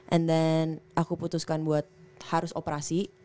and then aku putuskan buat harus operasi